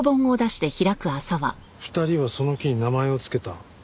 「二人はその木に名前を付けた」